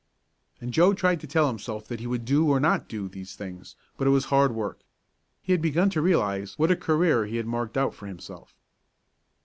And Joe tried to tell himself that he would do or not do these things, but it was hard work. He had begun to realize what a career he had marked out for himself.